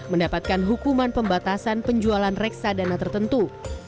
mendapatkan hukuman pembatasan penjualan reksadana tertentu